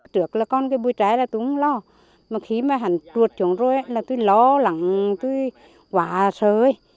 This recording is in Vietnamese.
trước là con cái bôi trái là tôi không lo mà khi mà hẳn chuột xuống rồi là tôi lo lắng tôi quả sợi